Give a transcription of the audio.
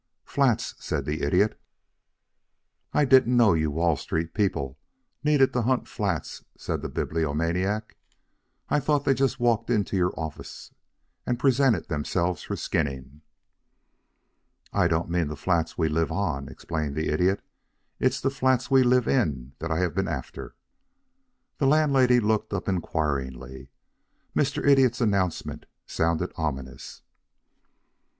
"Flats," said the Idiot. "I didn't know you Wall Street people needed to hunt flats," said the Bibliomaniac. "I thought they just walked into your offices and presented themselves for skinning." "I don't mean the flats we live on," explained the Idiot. "It's the flats we live in that I have been after." The landlady looked up inquiringly. Mr. Idiot's announcement sounded ominous.